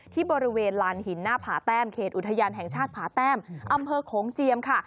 ที่บริเวณลานหินหน้าผาแต้มเขตอุทยานแห่งชาติผาแต้มอำเภอโขงเจียมค่ะ